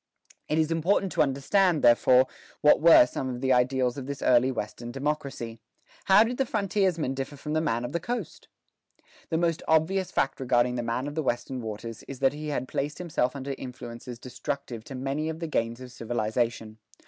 It is important to understand, therefore, what were some of the ideals of this early Western democracy. How did the frontiersman differ from the man of the coast? The most obvious fact regarding the man of the Western Waters is that he had placed himself under influences destructive to many of the gains of civilization.